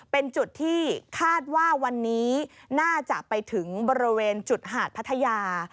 เป็นจุดที่คาดว่าวันนี้น่าจะไปถึงบริเวณจุดหาดพัทยา